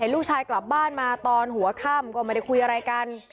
ลูกชายกลับบ้านมาตอนหัวค่ำก็ไม่ได้คุยอะไรกัน